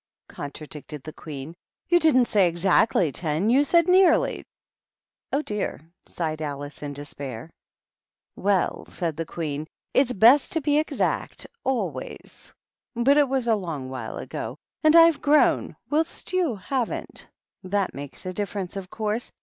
contradicted the Queen. "You didn't say exactly ten; you said nearly." "Oh, dear!" sighed Alice, in despair. " Well," said the Queen, " it's best to be exact always ; but it was a long while ago ; and I've grown, whilst you haven't. That makes a differ ence, of course.